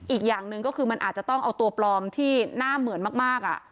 อีกอย่างหนึ่งก็คือมันอาจจะต้องเอาตัวปลอมที่หน้าเหมือนมาก